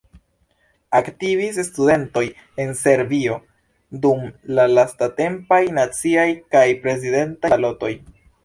Aktivis studentoj en Serbio dum la lastatempaj naciaj kaj prezidentaj balotoj.